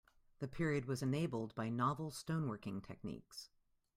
The period was enabled by novel stone working techniques.